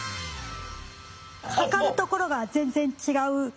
測るところが全然違う。